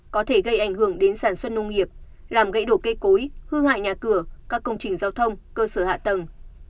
có thể gây ảnh hưởng đến sản xuất nông nghiệp làm gãy đổ cây cối hư hại nhà cửa các công trình giao thông cơ sở hạ tầng